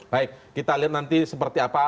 baik kita lihat nanti seperti apa